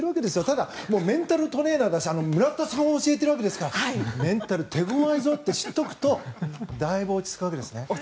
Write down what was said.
ただ、メンタルトレーナーだし村田さんも教えているわけですからメンタル、手ごわいぞって知っておくと幼なじみですね。